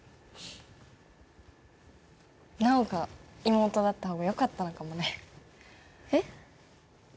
奈央が妹だった方がよかったのかもねえっ？